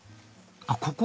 あっここ？